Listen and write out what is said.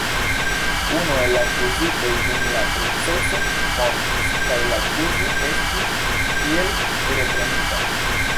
Unu el la akuzitoj dum la proceso mortis, kaj la akuzo estis tiel reprenita.